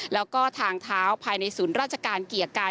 แล้วก็ทางเท้าภายในศูนย์ราชการเกียรติกาย